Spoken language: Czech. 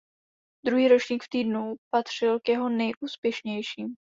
Druhý ročník v týmu patřil k jeho nejúspěšnějším.